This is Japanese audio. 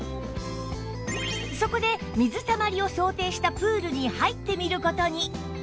そこで水たまりを想定したプールに入ってみる事に